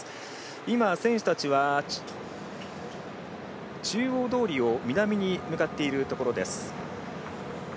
今、選手たちは中央通りを南に向かっているところです。